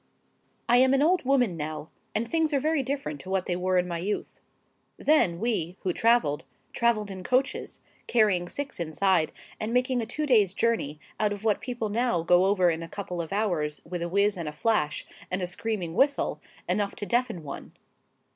I am an old woman now, and things are very different to what they were in my youth. Then we, who travelled, travelled in coaches, carrying six inside, and making a two days' journey out of what people now go over in a couple of hours with a whizz and a flash, and a screaming whistle, enough to deafen one.